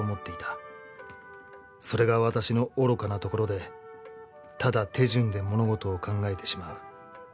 それが私の愚かなところで、ただ手順で物事を考えてしまう。